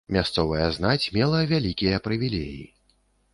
Мясцовая знаць мела вялікія прывілеі.